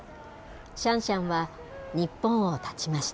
シャンシャンは日本をたちました。